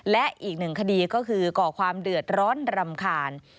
และอีกหนึ่งคดีก็คือก่อความเดือดร้อนรำคาญ